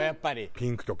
ピンクとか？